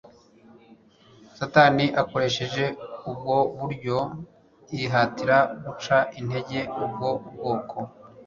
Satani akoresheje ubwo buryo yihatira guca intege ubwo bwoko